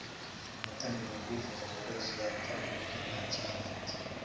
Umutambyi mukuru yifuzaga ko Yesu yapfa nubwo nta cyaha afite.